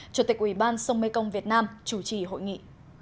chủ tịch ubnd sông mê công việt nam chủ trì hội nghị